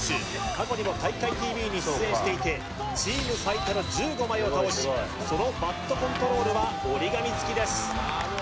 過去にも「体育会ＴＶ」に出演していてを倒しそのバットコントロールは折り紙付きです